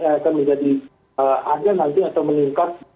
yang akan menjadi ada nanti atau meningkat